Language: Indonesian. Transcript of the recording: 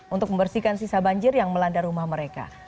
untuk membersihkan sisa banjir yang melanda rumah mereka